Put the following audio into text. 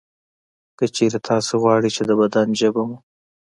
که چېرې تاسې غواړئ چې د بدن ژبه مو